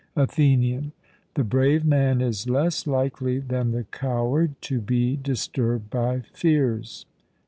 ATHENIAN: The brave man is less likely than the coward to be disturbed by fears?